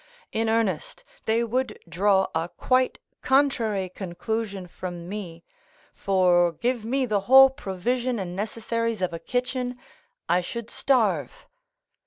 In earnest, they would draw a quite contrary conclusion from me, for give me the whole provision and necessaries of a kitchen, I should starve.